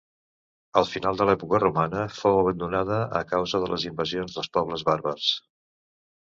Al final de l'època romana fou abandonada a causa de les invasions dels pobles bàrbars.